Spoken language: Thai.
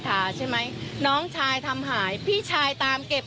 ฟังเจ๊เกียวนะครับ